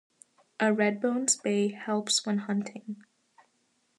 A Redbone's bay helps when hunting.